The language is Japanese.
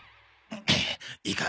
いいか？